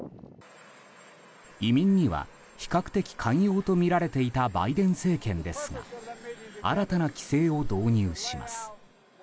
移民には比較的寛容とみられていたバイデン政権ですが新たな規制を導入します。